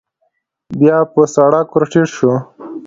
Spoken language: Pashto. بيا په سړک ور ټيټ شو.